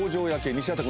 西畑君